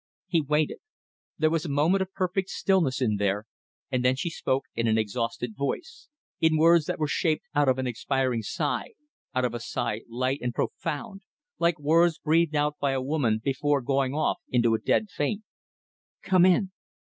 He waited. There was a moment of perfect stillness in there, and then she spoke in an exhausted voice, in words that were shaped out of an expiring sigh out of a sigh light and profound, like words breathed out by a woman before going off into a dead faint "Come in."